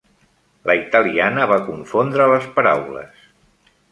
La italiana va confondre les paraules.